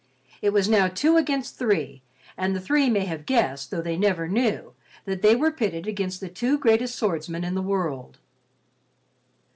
It was now two against three and the three may have guessed, though they never knew, that they were pitted against the two greatest swordsmen in the world.